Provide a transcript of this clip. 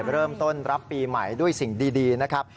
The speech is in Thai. เริ่มต้นรับปีใหม่ด้วยสิ่งดีนะครับ